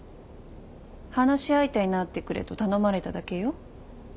話し相手になってくれと頼まれただけよ。